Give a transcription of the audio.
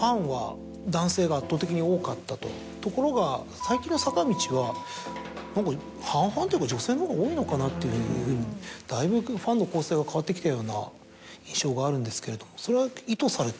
ところが最近の坂道は半々というか女性のほうが多いのかなというふうにだいぶファンの構成が変わってきたような印象があるんですけれどもそれは。